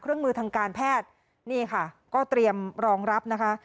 เครื่องมือทางการแพทย์นี่ค่ะก็เตรียมรองรับนะคะ